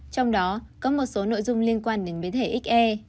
trong đó có một số nội dung liên quan đến biến thể xê